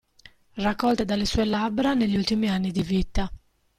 Raccolte dalle sue labbra negli ultimi anni di vita.